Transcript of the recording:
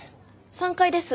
３階です。